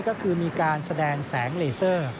ก็คือมีการแสดงแสงเลเซอร์